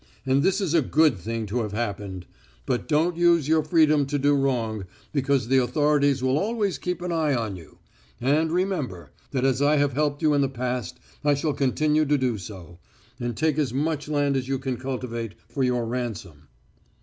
And this is a good thing to have happened. But don't use your freedom to do wrong, because the authorities will always keep an eye on you. And, remember, that as I have helped you in the past I shall continue to do so. And take as much land as you can cultivate for your ransom."